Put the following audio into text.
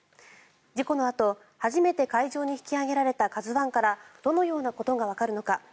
事故のあと初めて海上に引き揚げられた「ＫＡＺＵ１」からどのようなことがわかるのか。